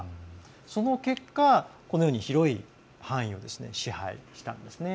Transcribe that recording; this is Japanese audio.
その結果、このように広い範囲を支配したんですね。